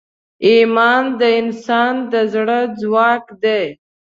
ایمان د انسان د زړه ځواک دی.